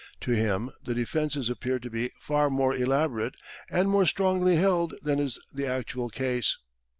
To him the defences appear to be far more elaborate and more strongly held than is the actual case.